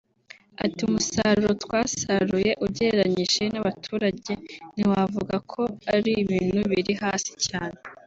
Ati “Umusaruro twasaruye ugereranyije n’abaturage ntiwavuga ko ari ibintu biri hasi cyane